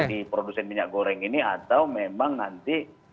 di produsen minyak goreng ini atau memang nanti